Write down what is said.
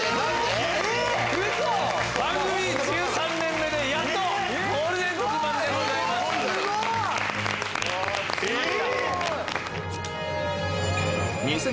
すごい！え